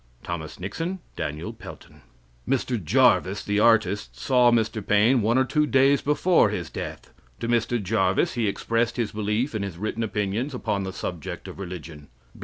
Thomas Nixon, Daniel Pelton" Mr. Jarvis, the artist, saw Mr. Paine one or two days before his death. To Mr. Jarvis he expressed his belief in his written opinions upon the subject of religion.